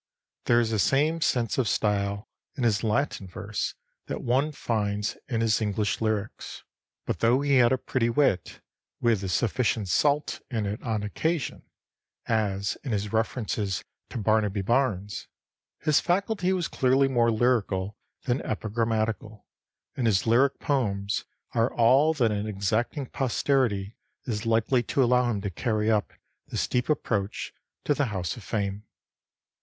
There is the same sense of style in his Latin verse that one finds in his English lyrics; but though he had a pretty wit, with a sufficient salt in it on occasion, as in his references to Barnabe Barnes, his faculty was clearly more lyrical than epigrammatical, and his lyric poems are all that an exacting posterity is likely to allow him to carry up the steep approach to the House of Fame.